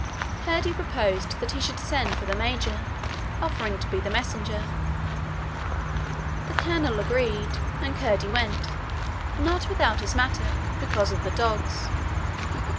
Curdie proposed that he should send for the major, offering to be the messenger. The colonel agreed, and Curdie went not without his mattock, because of the dogs.